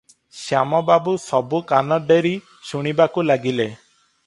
ଶ୍ୟାମ ବାବୁ ସବୁ କାନ ଡେରି ଶୁଣିବାକୁ ଲାଗିଲେ ।